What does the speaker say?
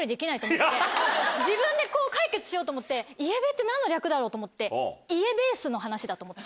自分で解決しようと思って「イエベ」って何の略だろう？と思って「家ベース」の話だと思って。